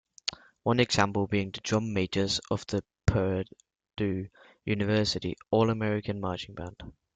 One example being the drum majors of the Purdue University "All-American" Marching Band.